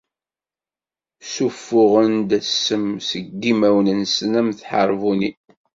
Ssufuɣen-d ssem seg yimawen-nsen am tḥerbunin.